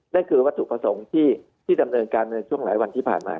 นั่นคือว่าสูตรส่งที่จำนงการช่วงหลายวันที่ผ่านมา